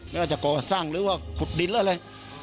ว่าจะก่อสร้างหรือว่าขุดดินหรืออะไร